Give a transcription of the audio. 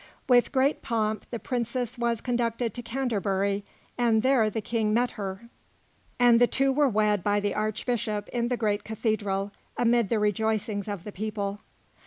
With great pomp, the princess was conducted to Canterbury, and there the King met her, and they two were wed by the Archbishop in the great Cathedral, amid the rejoicings of the people.